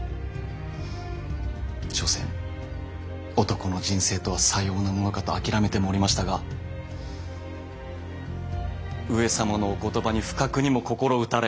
所詮男の人生とはさようなものかと諦めてもおりましたが上様のお言葉に不覚にも心打たれ。